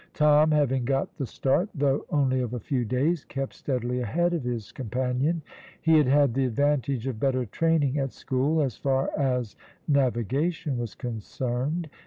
Tom, having got the start, though only of a few days, kept steadily ahead of his companion. He had had the advantage of better training at school, as far as navigation was concerned.